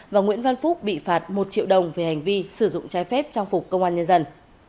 và nguyễn văn phúc bị phạt một triệu đồng về hành vi sử dụng trái phép trang phục công an nhân dân